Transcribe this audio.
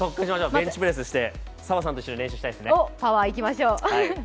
ベンチプレスして澤さんと一緒に練習したいですね。